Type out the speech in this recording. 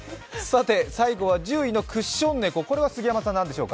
最後は１０位のクッション猫、これは何でしょうか。